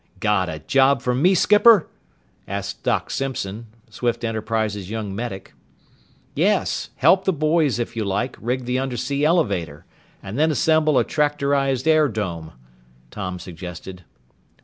"Got a job for me, skipper?" asked Doc Simpson, Swift Enterprises' young medic. "Yes. Help the boys, if you like, rig the undersea elevator, and then assemble a tractorized air dome," Tom suggested.